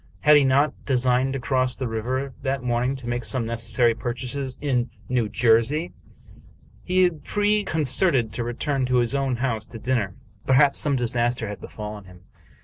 Had he not designed to cross the river that morn ing to make some necessary purchases in New Jersey? He had preconcerted to return to his own house to dinner • but 253 American Mystery Stories perhaps some disaster had befallen him.